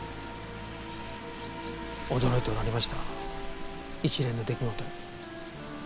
驚いておられました一連の出来事に。